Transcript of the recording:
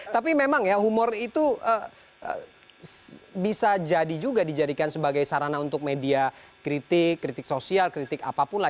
tapi memang ya humor itu bisa jadi juga dijadikan sebagai sarana untuk media kritik kritik sosial kritik apapun lah